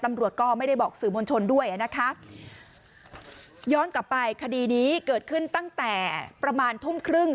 ตำรวจก็ไม่ได้บอกสื่อมวลชนด้วยนะคะย้อนกลับไปคดีนี้เกิดขึ้นตั้งแต่ประมาณทุ่มครึ่ง